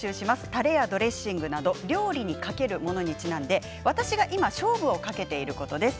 たれやドレッシングなど料理にかけるものにちなんで私が今勝負をかけていることです。